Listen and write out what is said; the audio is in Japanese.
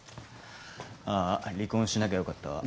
ああ離婚しなきゃよかったわ。